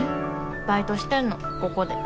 バイトしてんのここで。